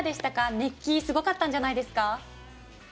熱気もすごかったんじゃないですか？